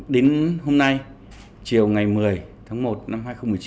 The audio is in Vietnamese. đến hôm nay chiều ngày một mươi tháng một năm hai nghìn một mươi chín